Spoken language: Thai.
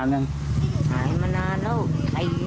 แอบเองก็รู้ว่าผมรักยากกง